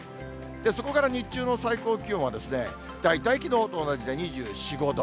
そこから日中の最高気温は、大体きのうと同じで２４、５度。